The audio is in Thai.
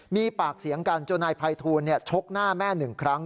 มีปากเสียงกันจนนายภัยทูลชกหน้าแม่หนึ่งครั้ง